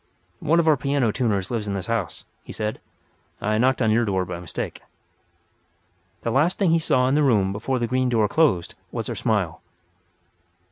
"One of our piano tuners lives in this house," he said. "I knocked at your door by mistake." The last thing he saw in the room before the green door closed was her smile.